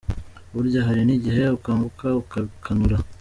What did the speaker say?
Burya hari n’ igihe ukanguka ugakanura.